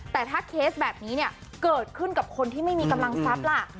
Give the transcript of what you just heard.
แต่ถ้าเคสแบบนี้เนี่ยเกิดขึ้นกับคนที่ไม่มีกำลังทรัพย์ล่ะ